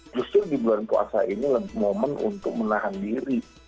justru di bulan puasa ini momen untuk menahan diri